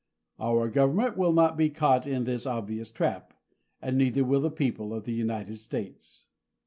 Our government will not be caught in this obvious trap and neither will the people of the United States.